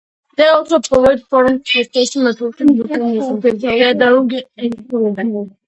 They also provide forums for social-networking, information gathering, and encouragement.